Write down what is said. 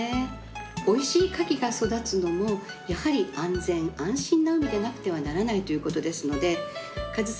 おいしいカキが育つのもやはり、安全・安心な海でなくてはならないということですのでかずさ